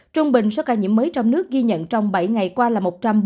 trung bình số ca nhiễm mới trong nước ghi nhận trong bảy ngày qua là một trăm bốn mươi